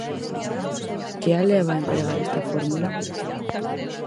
Que a leva a empregar esta fórmula?